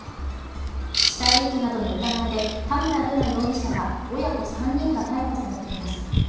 死体遺棄などの疑いで田村瑠奈容疑者ら親子３人が逮捕されています。